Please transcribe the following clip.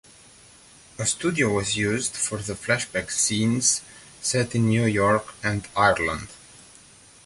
A studio was used for the flashback scenes set in New York and Ireland.